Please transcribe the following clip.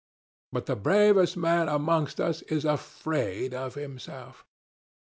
But the bravest man amongst us is afraid of himself.